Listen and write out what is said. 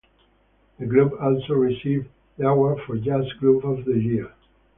The group also received the award for jazz group of the year.